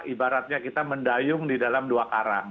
ibaratnya kita mendayung di dalam dua karang